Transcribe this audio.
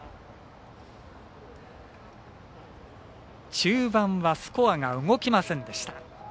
中盤はスコアが動きませんでした。